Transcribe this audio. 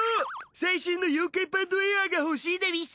最新の妖怪パッドエアーが欲しいでうぃす。